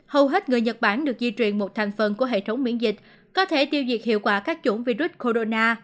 hầu hết người nhật bản được di truyền một thành phần của hệ thống miễn dịch có thể tiêu diệt hiệu quả các chủng virus corona